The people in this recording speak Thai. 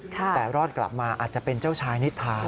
แต่รอดกลับมาอาจจะเป็นเจ้าชายนิทา